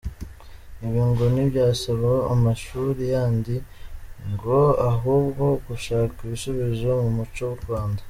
Ibi ngo ntibyasaba amashuri yandii ngo ahubwo gushaka ibisubizo mu muco w’u Rwanda.